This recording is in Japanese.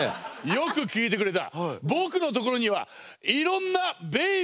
よく聞いてくれた。